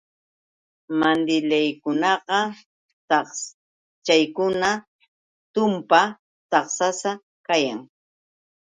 Mandilllaykunaqa chaykuna tumpa chaksasa kayan.